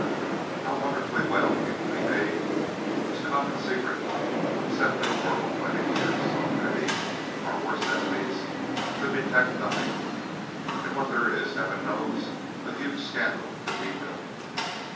"How wonderfully well people behave whose common secret would set their world by the ears," thought Betty. "Our worst enemies could detect nothing; and on what there is heaven knows a huge scandal could be built."